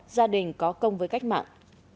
gia đình có công với cách mạng